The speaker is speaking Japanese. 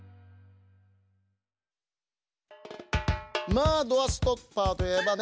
まあドアストッパーといえばね